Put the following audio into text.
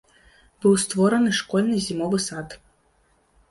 Быў створаны школьны зімовы сад.